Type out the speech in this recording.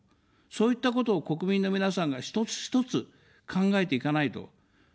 そういったことを国民の皆さんが一つ一つ考えていかないと。